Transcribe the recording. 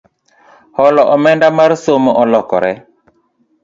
Holo omenda mar somo olokore